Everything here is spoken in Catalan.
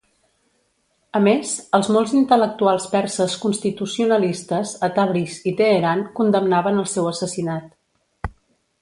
A més els molts intel·lectuals perses constitucionalistes a Tabriz i Teheran condemnaven el seu assassinat.